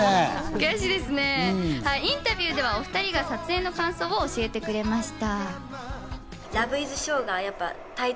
インタビューでは２人が撮影の感想を教えてくれました。